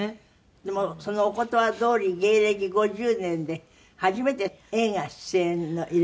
でもそのお言葉どおり芸歴５０年で初めて映画出演の依頼があった？